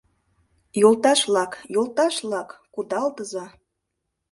Йолташ-влак, йолташ-влак, кудалтыза!